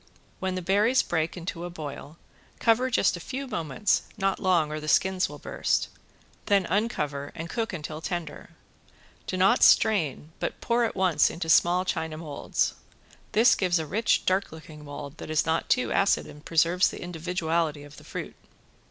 When the berries break into a boil, cover just a few moments, not long, or the skins will burst, then uncover and cook until tender. Do not strain, but pour at once into small china molds. This gives a dark rich looking mold that is not too acid and preserves the individuality of the fruit.